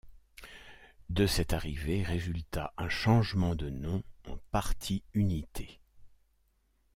De cette arrivée résulta un changement de nom en parti Unité.